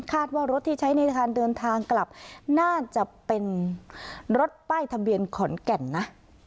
ว่ารถที่ใช้ในการเดินทางกลับน่าจะเป็นรถป้ายทะเบียนขอนแก่นนะ